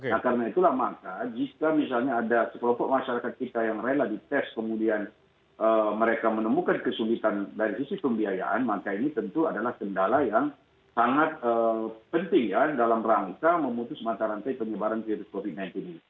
nah karena itulah maka jika misalnya ada sekelompok masyarakat kita yang rela dites kemudian mereka menemukan kesulitan dari sisi pembiayaan maka ini tentu adalah kendala yang sangat penting ya dalam rangka memutus mata rantai penyebaran virus covid sembilan belas ini